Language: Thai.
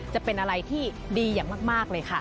จะเป็นอะไรที่ดีอย่างมากเลยค่ะ